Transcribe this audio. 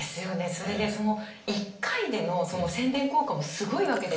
それで一回での宣伝効果もすごいわけですよね